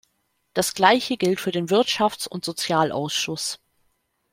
Das Gleiche gilt für den Wirtschafts- und Sozialausschuss.